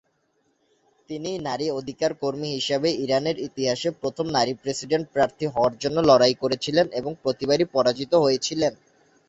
তিনি নারী অধিকার কর্মী হিসাবে ইরানের ইতিহাসে প্রথম নারী প্রেসিডেন্ট প্রার্থী হওয়ার জন্য লড়াই করেছিলেন এবং প্রতিবারই পরাজিত হয়েছিলেন।